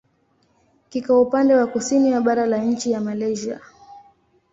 Kiko upande wa kusini wa bara la nchi ya Malaysia.